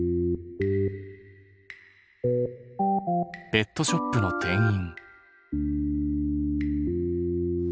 ペットショップの店員。